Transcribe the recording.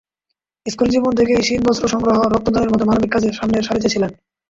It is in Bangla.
স্কুলজীবন থেকেই শীতবস্ত্র সংগ্রহ, রক্তদানের মতো মানবিক কাজে সামনের সারিতে ছিলেন।